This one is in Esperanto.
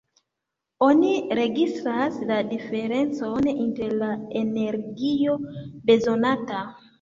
Oni registras la diferencon inter la energio bezonata.